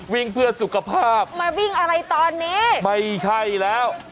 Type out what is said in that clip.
วิ่งเพื่อสุขภาพมาวิ่งอะไรตอนนี้ไม่ใช่แล้ว